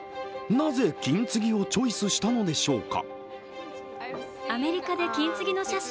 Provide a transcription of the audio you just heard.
なぜ金継ぎをチョイスしたのでしょうか。